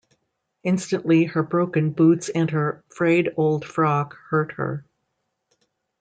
Instantly her broken boots and her frayed old frock hurt her.